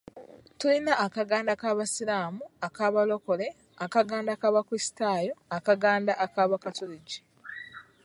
Tulina akaganda k'Abasiraamu, Akabalokole, akaganda k'Abakrisitaayo, akaganda ak'Abakatuliki.